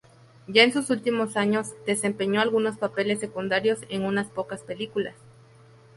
Ya en sus últimos años, desempeñó algunos papeles secundarios en unas pocas películas.